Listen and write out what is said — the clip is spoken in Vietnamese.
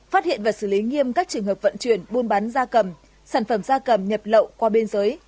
phát hiện và xử lý nghiêm các trường hợp vận chuyển buôn bán gia cầm sản phẩm gia cầm nhập lậu qua bên dưới